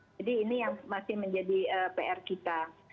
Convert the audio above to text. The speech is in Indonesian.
ini yang masih menjadi pr kita